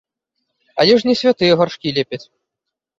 Але ж не святыя гаршкі лепяць.